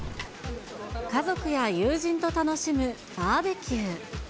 家族や友人と楽しむバーベキュー。